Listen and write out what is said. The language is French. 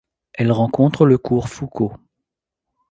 Elle rencontre le cours Foucault.